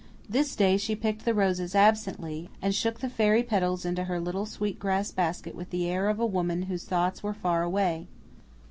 This day she picked the roses absently, and shook the fairy petals into her little sweet grass basket with the air of a woman whose thoughts were far away.